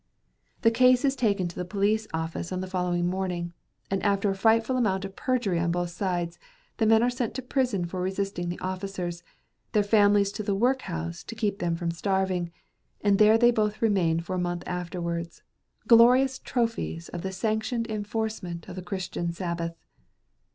The case is taken to the police office on the following morning; and after a frightful amount of perjury on both sides, the men are sent to prison for resisting the officers, their families to the workhouse to keep them from starving: and there they both remain for a month afterwards, glorious trophies of the sanctified enforcement of the Christian Sabbath.